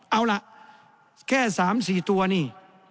เอาละแค่สามสี่ตัวนี่